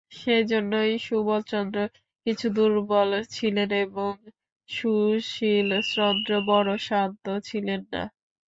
সেইজন্যই সুবলচন্দ্র কিছু দুর্বল ছিলেন এবং সুশীলচন্দ্র বড়ো শান্ত ছিলেন না।